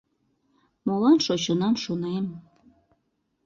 Молан шочынам, шонем?